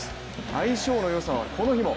相性の良さはこの日も。